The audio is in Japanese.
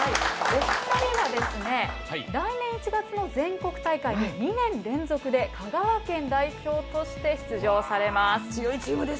お二人は来年１月の全国大会で２年連続で、香川県代表として出場されます。